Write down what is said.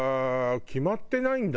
決まってないんだ。